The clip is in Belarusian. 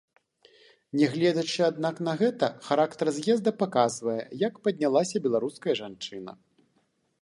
Нягледзячы аднак на гэта, характар з'езда паказвае, як паднялася беларуская жанчына.